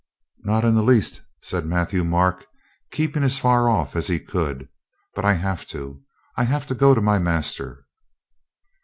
"Not in the least," said Matthieu Marc, keeping as far off as he could. "But I have to. I have to go to my master."